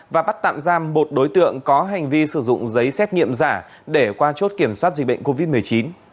và bắt tạm giam một đối tượng có hành vi sử dụng giấy xét nghiệm giả để qua chốt kiểm soát dịch bệnh covid một mươi chín